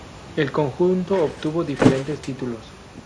El conjunto obtuvo diferentes títulos.